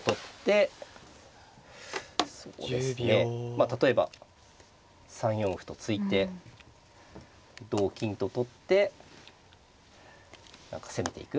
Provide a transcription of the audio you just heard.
まあ例えば３四歩と突いて同金と取って何か攻めていく。